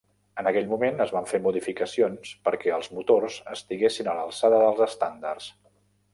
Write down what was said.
En aquell moment es van fer modificacions perquè els motors estiguessin a l'alçada dels estàndards.